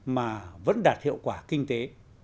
và vẫn đạt hiệu quả kinh tế